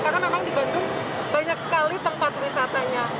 karena memang di bandung banyak sekali tempat wisatanya